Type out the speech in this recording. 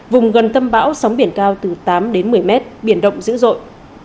vùng gần tâm bão sóng biển cao từ tám đến một mươi mét biển động dữ dội